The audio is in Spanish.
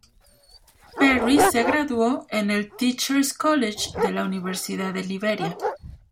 Perry se graduó en el Teachers College de la Universidad de Liberia.